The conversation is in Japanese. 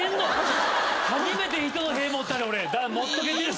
初めて人の屁持ったで俺。持っとけてる？